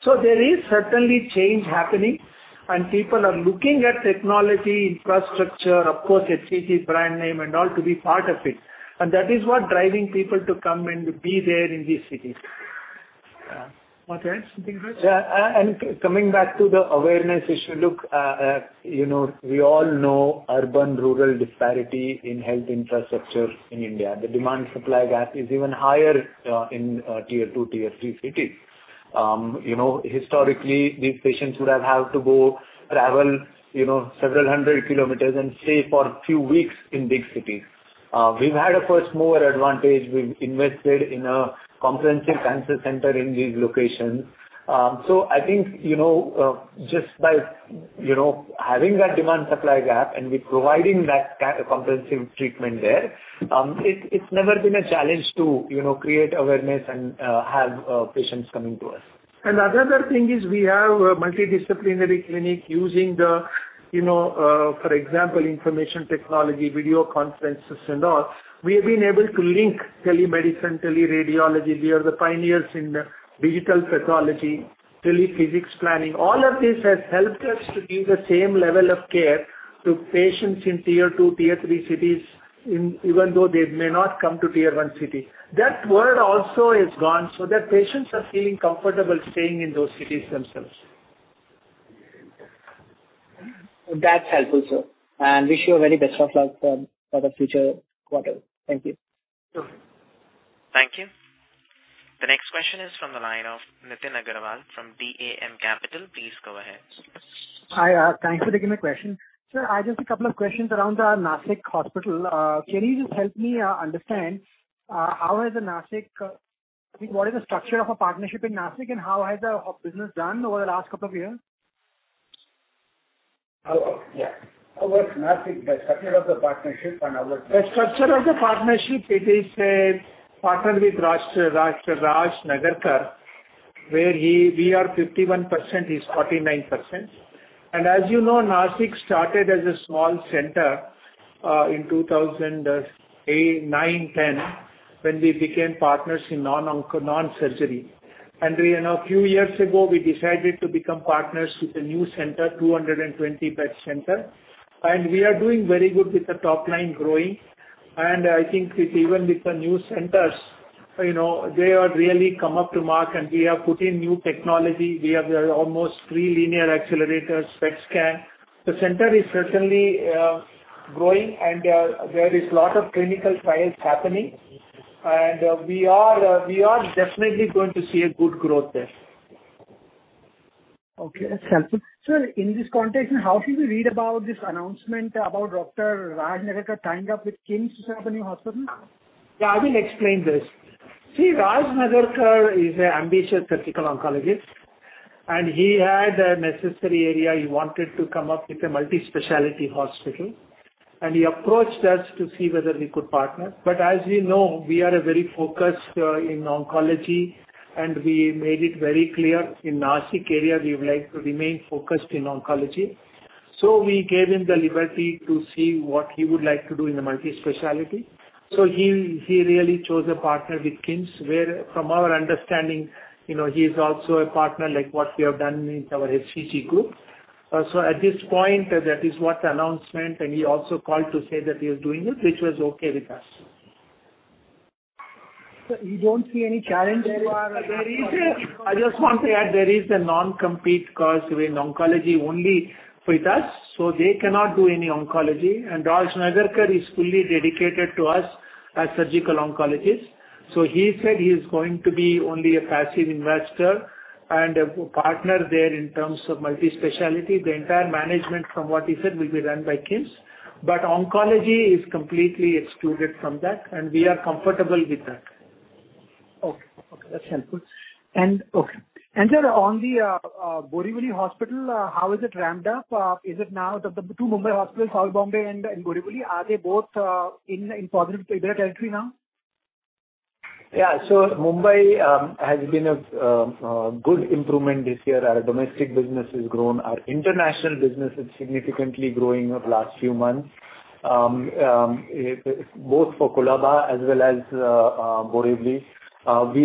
S5: 2010. There is certainly change happening, and people are looking at technology, infrastructure, of course, HCG's brand name and all to be part of it. That is what driving people to come and be there in these cities.
S1: Okay. Something else?
S4: Yeah. Coming back to the awareness issue. Look, you know, we all know urban-rural disparity in health infrastructure in India. The demand-supply gap is even higher in tier two, tier three cities. You know, historically these patients would have to go travel, you know, several hundred kilometers and stay for a few weeks in big cities. We've had a first-mover advantage. We've invested in a comprehensive cancer center in these locations. I think, you know, just by, you know, having that demand-supply gap and we providing that comprehensive treatment there, it's never been a challenge to, you know, create awareness and have patients coming to us.
S5: The other thing is we have a multidisciplinary clinic using the, you know, for example, information technology, video conferences and all. We have been able to link telemedicine, teleradiology. We are the pioneers in digital pathology, teletherapy planning. All of this has helped us to give the same level of care to patients in tier two, tier three cities even though they may not come to tier one city. That word also is gone, so the patients are feeling comfortable staying in those cities themselves.
S12: That's helpful, sir, and wish you a very best of luck for the future quarter. Thank you.
S5: Sure.
S1: Thank you. The next question is from the line of Nitin Agarwal from DAM Capital. Please go ahead.
S11: Hi. Thanks for taking the question. Sir, I just have a couple of questions around the Nashik hospital. Can you just help me understand, I think, what is the structure of a partnership in Nashik, and how has the business done over the last couple of years?
S5: Oh, yeah. How was Nashik, the structure of the partnership. The structure of the partnership, it is a partnership with Raj Nagarkar, where we are 51%, he's 49%. As you know, Nashik started as a small center in 2008, 2009, 2010, when we became partners in non-onco, non-surgery. You know, a few years ago we decided to become partners with a new center, 220-bed center. We are doing very good with the top line growing. I think with the new centers, you know, they are really come up to mark and we have put in new technology. We have almost three linear accelerators, PET scan. The center is certainly growing and there is lot of clinical trials happening. We are definitely going to see a good growth there.
S11: Okay. That's helpful. Sir, in this context, how should we read about this announcement about Dr.Raj Nagarkar tying up with KIMS to set up a new hospital?
S5: Yeah, I will explain this. See, Raj Nagarkar, is an ambitious surgical oncologist, and he had a niche area. He wanted to come up with a multi-specialty hospital, and he approached us to see whether we could partner. As you know, we are a very focused in oncology, and we made it very clear in Nashik area we would like to remain focused in oncology. We gave him the liberty to see what he would like to do in the multi-specialty. He really chose a partner with KIMS where from our understanding, you know, he's also a partner like what we have done with our HCG group. At this point, that is what announcement and he also called to say that he is doing it, which was okay with us.
S11: You don't see any challenge there?
S5: I just want to add, there is a non-compete clause with oncology only with us, so they cannot do any oncology. Raj Nagarkar is fully dedicated to us as surgical oncologist. He said he is going to be only a passive investor and a partner there in terms of multi-specialty. The entire management from what he said will be run by KIMS. Oncology is completely excluded from that, and we are comfortable with that.
S11: Okay, that's helpful. Sir, on the Borivali hospital, how is it ramped up? Is it now the two Mumbai hospitals, South Bombay and Borivali, are they both in positive EBITDA territory now?
S4: Mumbai has been a good improvement this year. Our domestic business has grown. Our international business is significantly growing over last few months. Both for Colaba as well as Borivali. We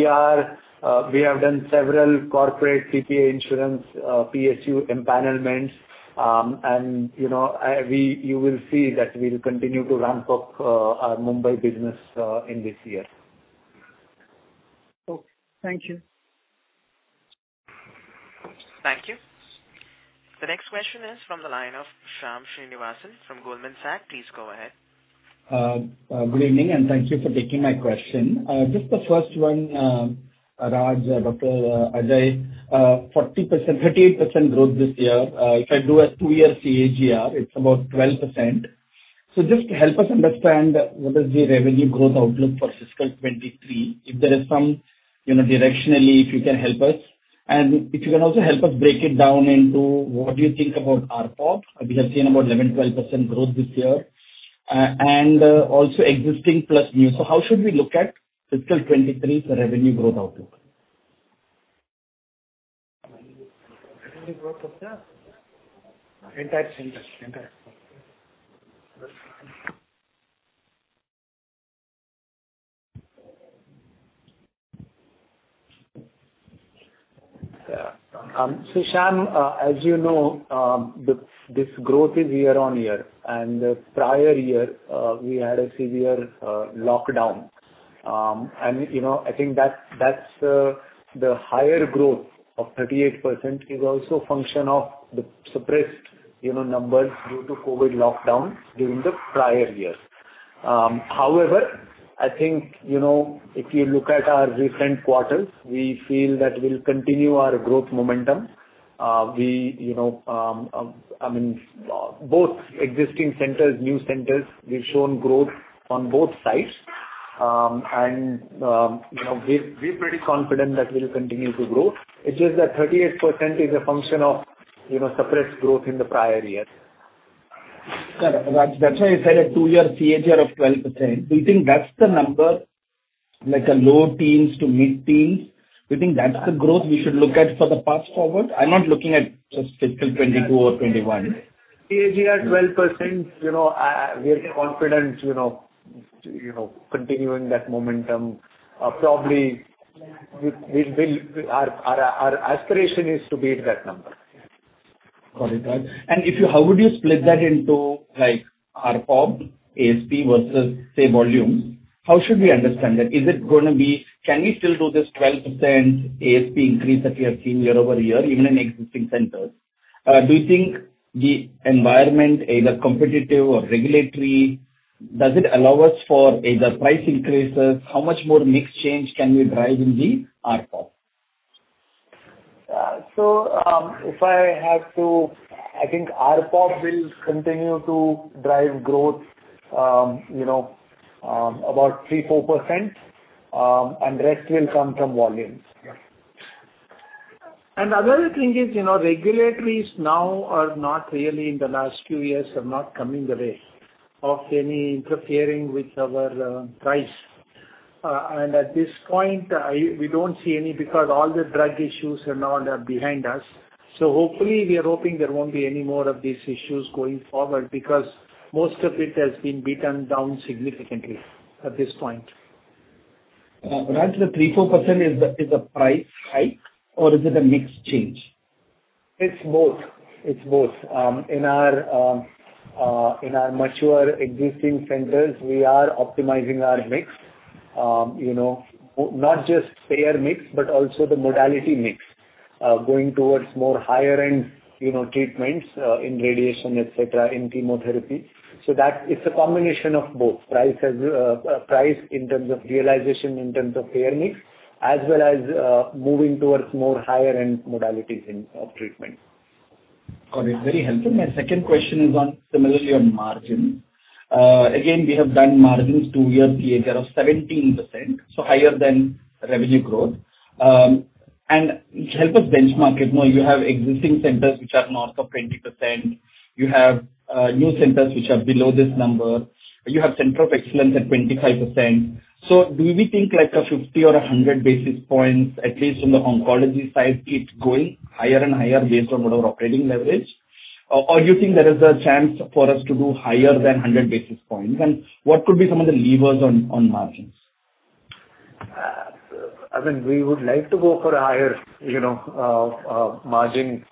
S4: have done several corporate TPA insurance, PSU empanelment. You know, you will see that we'll continue to ramp up our Mumbai business in this year.
S11: Okay. Thank you.
S1: The next question is from the line of Shyam Srinivasan from Goldman Sachs. Please go ahead.
S13: Good evening, and thank you for taking my question. Just the first one, Raj, Dr. Ajay, 38% growth this year. If I do a two-year CAGR, it's about 12%. Just help us understand what is the revenue growth outlook for fiscal 2023. If there is some, you know, directionally, if you can help us. If you can also help us break it down into what do you think about ARPOB? We have seen about 11, 12% growth this year. Also existing plus new. How should we look at fiscal 2023's revenue growth outlook?
S5: Revenue growth of that? Entire center.
S4: So Shyam, as you know, this growth is year-on-year, and prior year, we had a severe lockdown. You know, I think that's the higher growth of 38% is also a function of the suppressed, you know, numbers due to COVID lockdowns during the prior years. However, I think, you know, if you look at our recent quarters, we feel that we'll continue our growth momentum. We, you know, I mean, both existing centers, new centers, we've shown growth on both sides. You know, we're pretty confident that we'll continue to grow. It's just that 38% is a function of, you know, suppressed growth in the prior years.
S13: Got it, Raj. That's why I said a 2-year CAGR of 12%. Do you think that's the number, like a low teens to mid-teens, do you think that's the growth we should look at for the path forward? I'm not looking at just fiscal 2022 or 2021.
S4: CAGR 12%, you know, we are confident, you know, continuing that momentum. Probably our aspiration is to beat that number.
S13: Got it, Raj. How would you split that into, like, ARPOB, ASP versus, say, volume? How should we understand that? Is it gonna be? Can we still do this 12% ASP increase that we have seen year-over-year, even in existing centers? Do you think the environment, either competitive or regulatory, does it allow us for either price increases? How much more mix change can we drive in the ARPOB?
S4: I think ARPOB will continue to drive growth, you know, about 3%-4%, and rest will come from volumes.
S5: The other thing is, you know, regulators now are not really, in the last few years, are not coming in the way of any interfering with our pricing. At this point, we don't see any because all the drug issues and all are behind us. Hopefully, we are hoping there won't be any more of these issues going forward because most of it has been beaten down significantly at this point.
S13: Raj, the 3%-4% is the price hike or is it a mix change?
S4: It's both. In our mature existing centers, we are optimizing our mix, you know. Not just payer mix, but also the modality mix, going towards more higher-end, you know, treatments in radiation, et cetera, in chemotherapy. It's a combination of both. Price in terms of realization, in terms of payer mix, as well as moving towards more higher-end modalities in treatment.
S13: Got it. Very helpful. My second question is similarly on margins. Again, we have done margins two-year CAGR of 17%, so higher than revenue growth. Help us benchmark it more. You have existing centers which are north of 20%. You have new centers which are below this number. You have center of excellence at 25%. Do we think like 50 or 100 basis points, at least from the oncology side, it's going higher and higher based on our operating leverage? Or you think there is a chance for us to do higher than 100 basis points? What could be some of the levers on margins?
S4: I mean, we would like to go for higher, you know, margin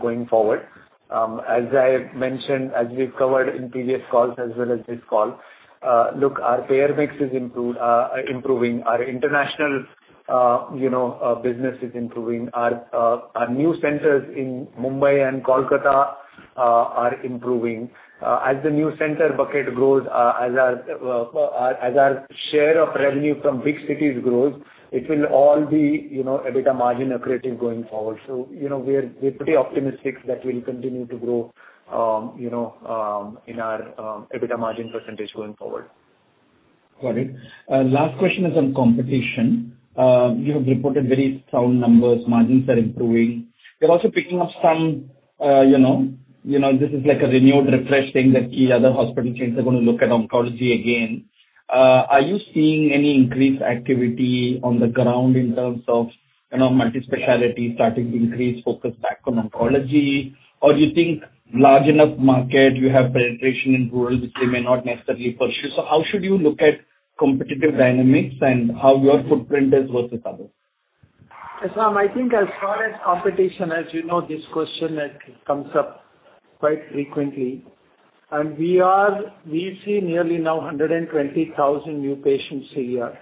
S4: going forward. As I mentioned, as we've covered in previous calls as well as this call, look, our payer mix is improving. Our international business is improving. Our new centers in Mumbai and Kolkata are improving. As the new center bucket grows, as our share of revenue from big cities grows, it will all be, you know, EBITDA margin accretive going forward. So, you know, we're pretty optimistic that we'll continue to grow in our EBITDA margin percentage going forward.
S13: Got it. Last question is on competition. You have reported very sound numbers. Margins are improving. We're also picking up some, you know, this is like a renewed refresh thing that key other hospital chains are gonna look at oncology again. Are you seeing any increased activity on the ground in terms of, you know, multi-specialty starting to increase focus back on oncology? Or do you think large enough market, you have penetration in rural, which they may not necessarily pursue. How should you look at competitive dynamics and how your footprint is versus others?
S5: Shyam, I think as far as competition, as you know, this question, it comes up quite frequently. We see nearly 120,000 new patients a year.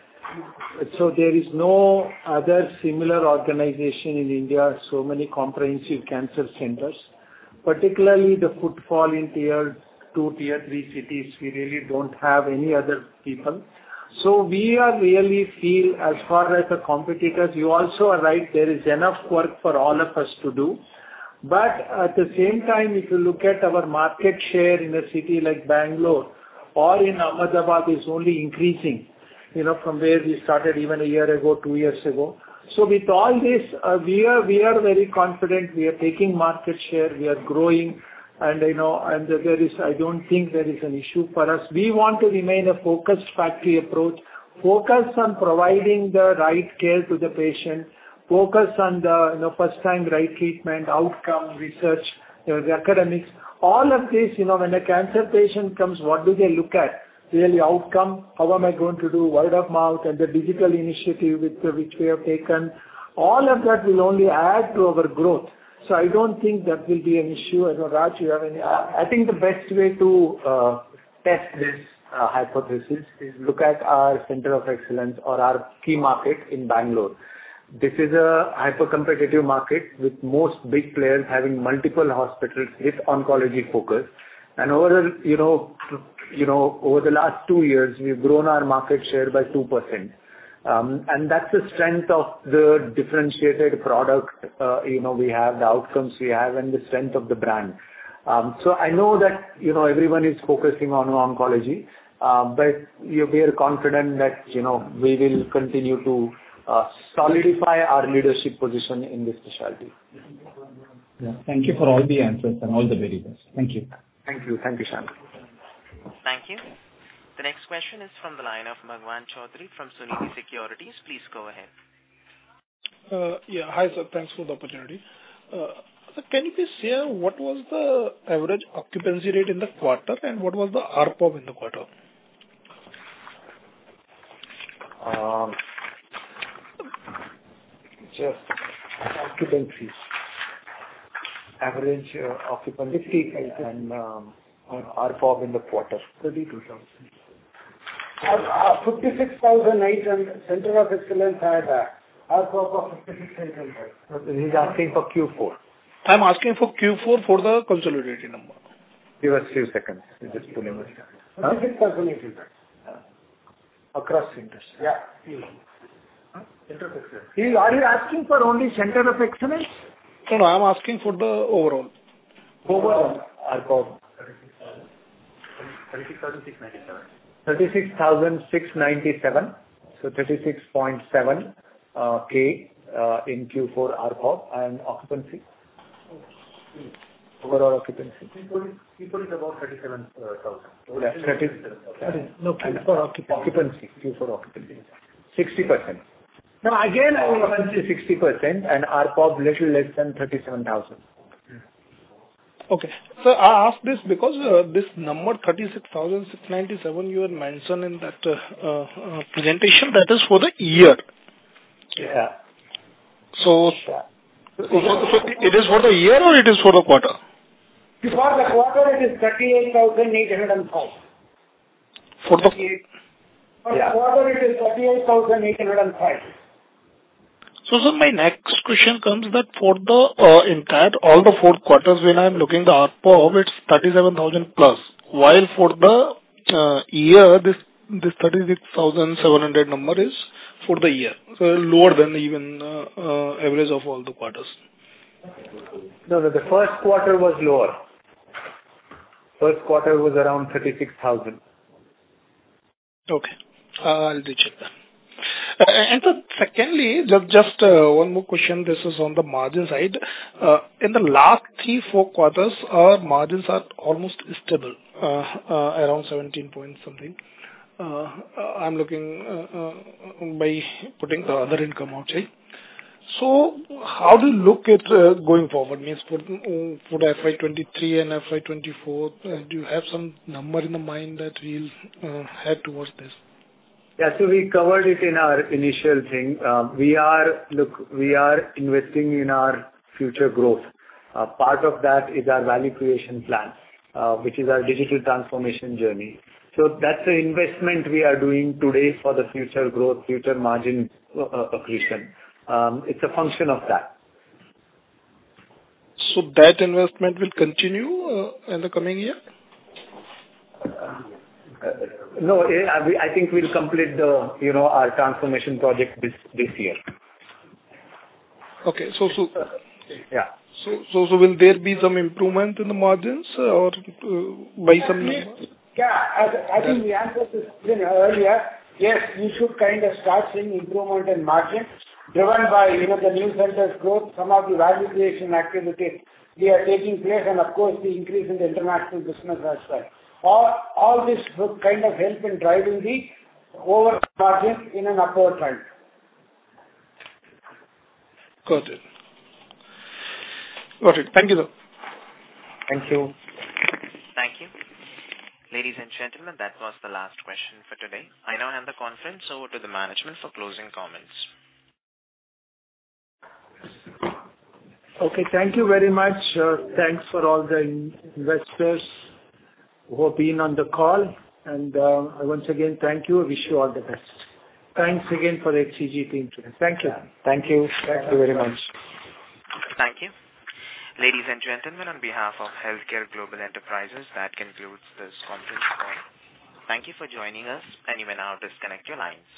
S5: There is no other similar organization in India, so many comprehensive cancer centers, particularly the footfall in tier two, tier three cities, we really don't have any other people. We really feel as far as the competitors, you also are right, there is enough work for all of us to do. At the same time, if you look at our market share in a city like Bangalore or in Ahmedabad, is only increasing, you know, from where we started even a year ago, two years ago. With all this, we are very confident. We are taking market share, we are growing, and there isn't an issue for us. We want to remain a focused factory approach, focused on providing the right care to the patient, focused on the first-time right treatment, outcome, research, the academics. All of this, when a cancer patient comes, what do they look at? Really outcome. How we're going to grow word of mouth and the digital initiatives which we have taken. All of that will only add to our growth, so I don't think that will be an issue. I don't know, Raj, you have any
S4: I think the best way to test this hypothesis is look at our center of excellence or our key market in Bangalore. This is a hyper-competitive market with most big players having multiple hospitals with oncology focus. Over the last two years, we've grown our market share by 2%. That's the strength of the differentiated product, you know, we have, the outcomes we have and the strength of the brand. I know that, you know, everyone is focusing on oncology, but we are confident that, you know, we will continue to solidify our leadership position in this specialty.
S13: Yeah. Thank you for all the answers and all the very best. Thank you.
S5: Thank you. Thank you, Shyam.
S1: Thank you. The next question is from the line of Bhagwan Chaudhary from Sunidhi Securities. Please go ahead.
S14: Yeah. Hi, sir. Thanks for the opportunity. Can you please share what was the average occupancy rate in the quarter, and what was the ARPOB in the quarter?
S5: Just occupancies.
S4: Average occupancy.
S5: Fifty-eight.
S4: ARPOB in the quarter.
S5: INR 32,000. 56,800 center of excellence had ARPOB of INR 56,800.
S4: He's asking for Q4.
S14: I'm asking for Q4 for the consolidated number.
S4: Give us few seconds. We're just pulling the.
S5: 56 consolidated.
S4: Across centers.
S5: Yeah.
S13: Intersection.
S5: Are you asking for only center of excellence?
S14: No, I'm asking for the overall.
S5: Overall ARPOB.
S13: 36,697.
S4: 36,697. 36.7 K in Q4 ARPOB and occupancy.
S5: Overall occupancy.
S13: Q4 is about 37 thousand.
S4: No, for occupancy. Q4 occupancy. 60%.
S14: No, again.
S4: I will say 60% and ARPOB a little less than 37,000.
S14: I ask this because this number 36,697 you had mentioned in that presentation. That is for the year.
S4: Yeah.
S14: It is for the year or it is for the quarter?
S5: For the quarter it is 38,805.
S14: For the-
S5: For the quarter it is INR 38,805.
S14: My next question comes that for the entire all the four quarters when I'm looking the ARPOB it's 37,000+. While for the year this 36,700 number is for the year. Lower than even average of all the quarters.
S4: No, no. The first quarter was lower. First quarter was around 36 thousand.
S14: Okay. I'll recheck that. Secondly, just one more question. This is on the margin side. In the last three to four quarters our margins are almost stable around 17.something%. I'm looking by putting the other income outside. How do you look at going forward? Meaning for FY 2023 and FY 2024, do you have some number in mind that we'll head towards this?
S4: Yeah. We covered it in our initial thing. Look, we are investing in our future growth. Part of that is our value creation plan, which is our digital transformation journey. That's the investment we are doing today for the future growth, future margin accretion. It's a function of that.
S14: That investment will continue in the coming year?
S4: No. I think we'll complete the, you know, our transformation project this year.
S14: Okay.
S4: Yeah.
S14: Will there be some improvement in the margins or by some means?
S5: Yeah. I think we answered this even earlier. Yes, we should kind of start seeing improvement in margins driven by, you know, the new centers growth, some of the value creation activities they are taking place and of course the increase in the international business as well. All this would kind of help in driving the overall margin in an upward trend.
S14: Got it. Thank you.
S4: Thank you.
S1: Thank you. Ladies and gentlemen, that was the last question for today. I now hand the conference over to the management for closing comments.
S5: Okay. Thank you very much. Thanks for all the investors who have been on the call and, once again thank you. Wish you all the best. Thanks again for HCG team today. Thank you.
S4: Thank you. Thank you very much.
S1: Thank you. Ladies and gentlemen, on behalf of HealthCare Global Enterprises, that concludes this conference call. Thank you for joining us and you may now disconnect your lines.